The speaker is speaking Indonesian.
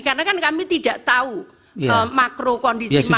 karena kan kami tidak tahu makro kondisi makro masalahnya